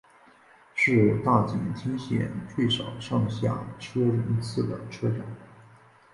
是大井町线最少上下车人次的车站。